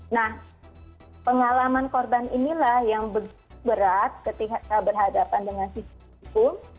nah pengalaman korban inilah yang berat ketika berhadapan dengan sistem hukum